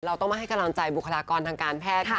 เราต้องมาให้กำลังใจบุคลากรทางการแพทย์ค่ะ